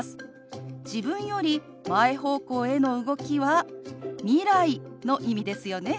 自分より前方向への動きは未来の意味ですよね。